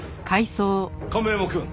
亀山くん！